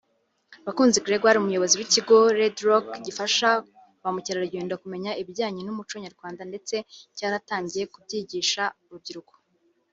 Bakunzi Gregoire Umuyobozi w’ikigo Redrocks gifasha ba mukerarugendo kumenya ibijyanye n’umuco nyarwanda ndetse cyaratangiye kubyigisha urubyiruko